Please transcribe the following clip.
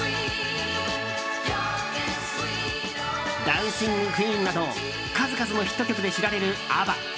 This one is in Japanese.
「ダンシング・クイーン」など数々のヒット曲で知られるＡＢＢＡ。